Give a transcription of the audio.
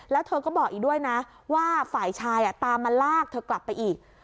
แล้วเธอก็บอกอีกด้วยนะว่าฝ่ายชายตามมาลากเธอกลับไปอีก